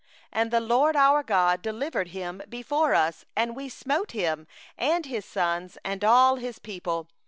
33And the LORD our God delivered him up before us; and we smote him, and his sons, and all his people.